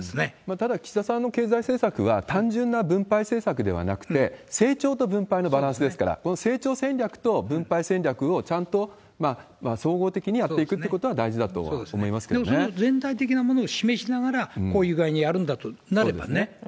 ただ、岸田さんの経済政策は単純な分配政策ではなくて、成長と分配のバランスですから、この成長戦略と分配戦略をちゃんと総合的にやっていくということでも、その全体的なものを示しながら、こういう具合にやるんだとなればね。